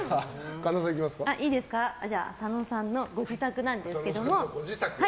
浅野さんのご自宅なんですけど。